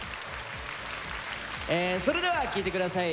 それでは聴いて下さい。